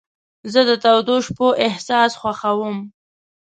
زه د تودو شپو احساس خوښوم.